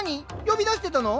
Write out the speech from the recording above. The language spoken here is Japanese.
呼び出してたの？